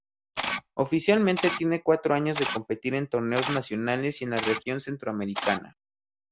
Oficialmente tienen cuatro años de competir en torneos nacionales y en la región centroamericana.